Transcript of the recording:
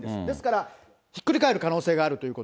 ですから、ひっくり返る可能性があると。